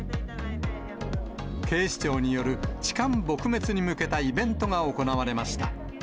警視庁による痴漢撲滅に向けたイベントが行われました。